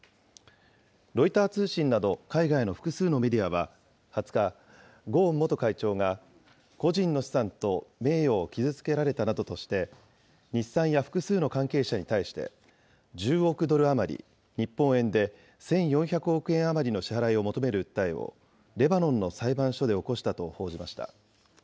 ロイター通信など海外の複数のメディアは２０日、ゴーン元会長が、個人の資産と名誉を傷つけられたなどとして、日産や複数の関係者に対して、１０億ドル余り、日本円で１４００億円余りの支払いを求める訴えを、レバノンの裁判所で起こしたと報じました。